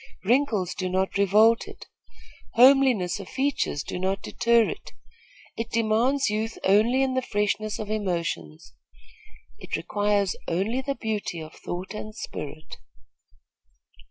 Wrinkles do not revolt it. Homeliness of features do not deter it. It demands youth only in the freshness of emotions. It requires only the beauty of thought and spirit.